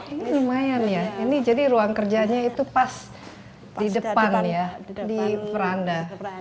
ini lumayan ya ini jadi ruang kerjanya itu pas di depan ya di franda